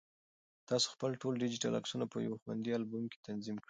تاسو خپل ټول ډیجیټل عکسونه په یو خوندي البوم کې تنظیم کړئ.